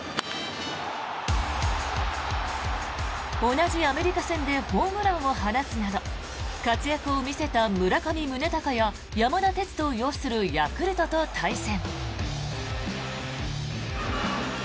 同じアメリカ戦でホームランを放つなど活躍を見せた村上宗隆や山田哲人擁するヤクルトと対戦。